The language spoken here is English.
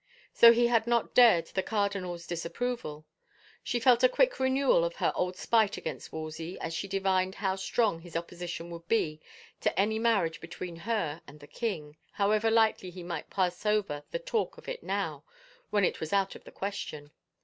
So he had not dared the cardinal's disapproval ! She felt a quick renewal of her old spite against Wolsey as she divined how strong his opposition would be to any marriage between her and the king, however lightly he might pass over the talk of it now when it was out of the question.